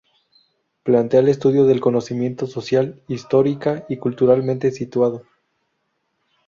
Plantea el estudio del conocimiento, social, histórica y culturalmente situado.